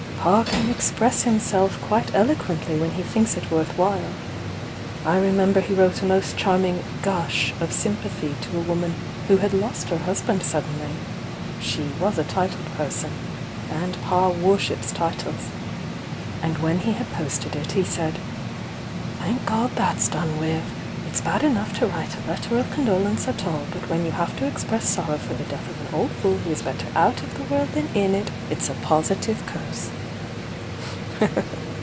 Pa can express himself quite elo quently when he thinks it worth while. I remember he wrote a nitjst charming 'gush' of sympathy to a woman who had lost her husband suddenly, — she was a titled person, and Pa worships titles, — and when he had posted it he said : 'Thank God that's done with! It's bad enough to write a letter of condolence at all, but when you have to express sor row for the death of an old fool who is better out of the world than in it, it's a positive curse!'